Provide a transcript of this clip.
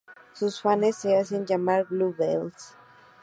Sus fanes se hacen llamar Blue Bells.